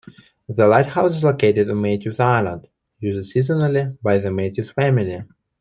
The lighthouse is located on Matthew's Island, used seasonally by the Matthew's family.